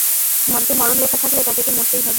ভাগ্যে মরণ লেখা থাকলে, তাদেরকে মরতেই হবে।